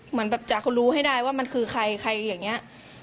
เหมือนแบบจะรู้ให้ได้ว่ามันคือใครใครอย่างนี้